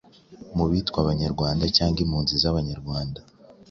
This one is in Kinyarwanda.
mu bitwa Banyarwanda cyangwa impunzi z’Abanyarwanda